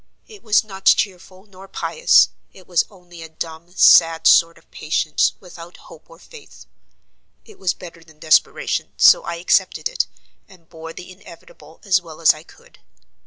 It was not cheerful nor pious: it was only a dumb, sad sort of patience without hope or faith. It was better than desperation; so I accepted it, and bore the inevitable as well as I could.